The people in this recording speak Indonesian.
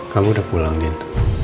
kamu udah pulang din